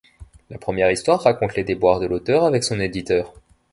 La première histoire raconte les déboires de l'auteur avec son éditeur.